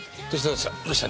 どうした？